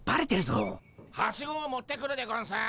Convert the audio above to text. ・はしごを持ってくるでゴンス。